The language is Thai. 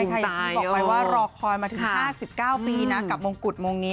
อย่างที่บอกไปว่ารอคอยมาถึง๕๙ปีนะกับมงกุฎมงนี้